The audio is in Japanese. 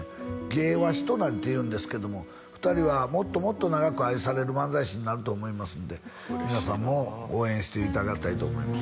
芸は人なりっていうんですけども２人はもっともっと長く愛される漫才師になると思いますんで皆さんも応援していただきたいと思います